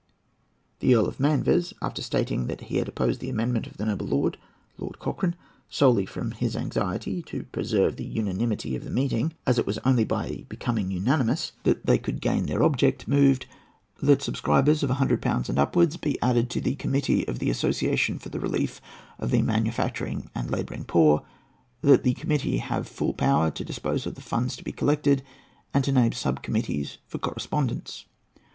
The Earl of Manvers, after stating that he had opposed the amendment of the noble lord (Lord Cochrane) solely from his anxiety to preserve the unanimity of the meeting, as it was only by becoming unanimous they could gain their object, moved: "That subscribers of 100£ and upwards be added to the committee of the Association for the Relief of the Manufacturing and Labouring Poor; that the committee have full power to dispose of the funds to be collected, and to name sub committees for correspondence."